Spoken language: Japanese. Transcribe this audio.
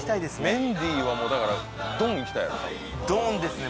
メンディーはもうだから丼いきたいでしょ？